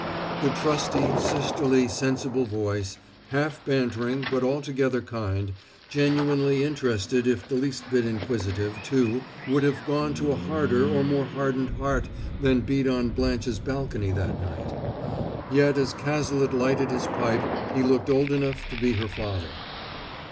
The trusty, sisterly, sensible voice, half bantering but altogether kind, genuinely interested if the least bit inquisitive, too, would have gone to a harder or more hardened heart than beat on Blanche's balcony that night. Yet as Cazalet lighted his pipe he looked old enough to be her father.